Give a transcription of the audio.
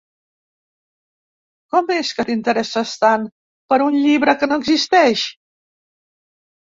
Com és que t'interesses tant per un llibre que no existeix?